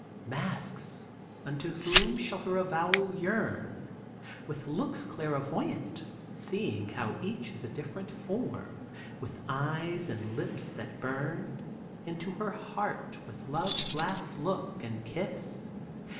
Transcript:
Masks, unto whom shall her avowal yearn, With looks clairvoyant seeing how each is A different form, with eyes and lips that burn Into her heart with love's last look and kiss?